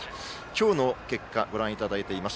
今日の結果ご覧いただいています。